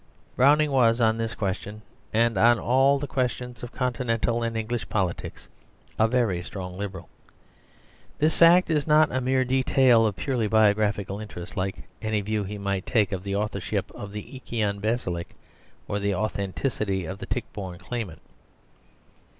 Browning was on this question and on all the questions of continental and English politics a very strong Liberal. This fact is not a mere detail of purely biographical interest, like any view he might take of the authorship of the "Eikon Basilike" or the authenticity of the Tichborne claimant.